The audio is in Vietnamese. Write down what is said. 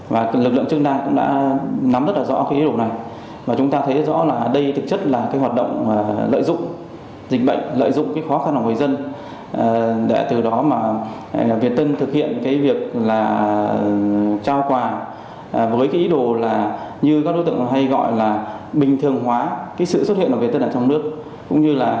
và kèm theo hướng dẫn chi tiết thủ tục để người dân nhận quà